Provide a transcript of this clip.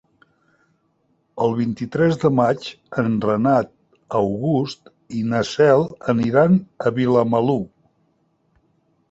El vint-i-tres de maig en Renat August i na Cel aniran a Vilamalur.